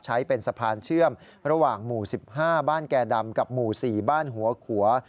ใช้เป็นสะพานเชื่อมระหว่างหมู่๑๕บ้านแก่ดำกับหมู่๔บ้านหัวขัว